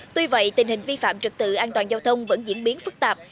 tuy vậy tình hình vi phạm trực tự an toàn giao thông vẫn diễn biến phức tạp